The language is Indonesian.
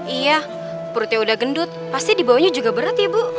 iya perutnya udah gendut pasti dibawanya juga berat ya bu